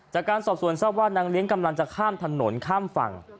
จากการสอบสวนทราบว่านางเลี้ยงกำลังจะข้ามถนนข้ามฝั่ง